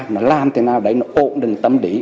nó làm thế nào đấy nó ổn định tâm lý